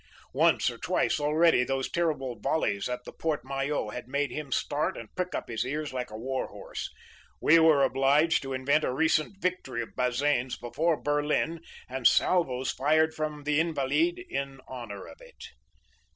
Once or twice already, those terrible volleys at the Porte Maillot had made him start and prick up his ears like a war horse; we were obliged to invent a recent victory of Bazaine's before Berlin and salvoes fired from the Invalides in honor of it.